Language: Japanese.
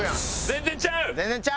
全然ちゃう！